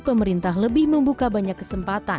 pemerintah lebih membuka banyak kesempatan